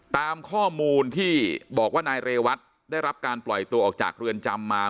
ตามข้อมูลที่บอกว่านายเรวัตได้รับการปล่อยตัวออกจากเรือนจำมา